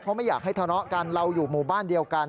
เขาไม่อยากให้ทะเลาะกันเราอยู่หมู่บ้านเดียวกัน